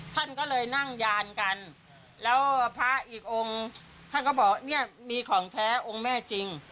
ท่านก็เลยนั่งยานกันแล้วพระอีกองค์ท่านก็บอกเนี่ยมีของแท้องค์แม่จริง